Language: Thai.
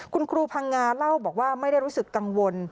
คุณครูพังงาเล่าบอกว่าไม่ได้รู้สึกกังวล